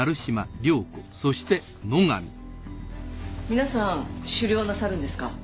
皆さん狩猟なさるんですか？